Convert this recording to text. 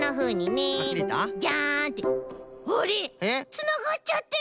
つながっちゃってる！